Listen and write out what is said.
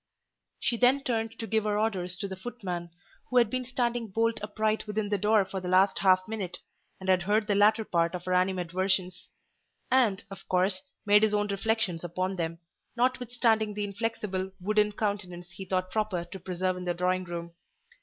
She then turned to give her orders to the footman, who had been standing bolt upright within the door for the last half minute, and had heard the latter part of her animadversions; and, of course, made his own reflections upon them, notwithstanding the inflexible, wooden countenance he thought proper to preserve in the drawing room.